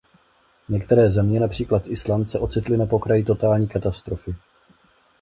Některé země, například Island, se ocitly na pokraji totální katastrofy.